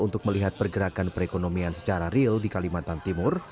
untuk melihat pergerakan perekonomian secara real di kalimantan timur